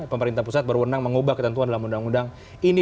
pemerintah pusat berwenang mengubah ketentuan dalam undang undang ini